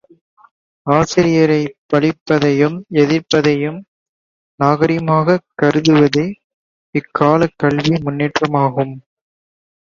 ஆசிரியரைப் பழிப்பதையும் எதிர்ப்பதையும் நாகரிகமாகக் கருதுவதே இக்காலக் கல்வி முன்னேற்றமாகும்.